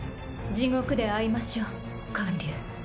・地獄で会いましょう観柳。